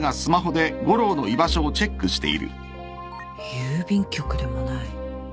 郵便局でもない。